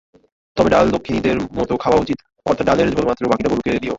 তবে ডাল দক্ষিণীদের মত খাওয়া উচিত, অর্থাৎ ডালের ঝোলমাত্র, বাকীটা গরুকে দিও।